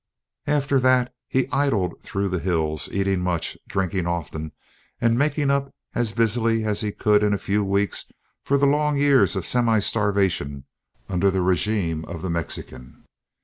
After that, he idled through the hills eating much, drinking often, and making up as busily as he could in a few weeks for the long years of semi starvation under the regime of the Mexican.